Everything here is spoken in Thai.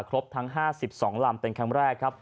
ครบทั้ง๕๒ลำเป็นครั้งแรกครับ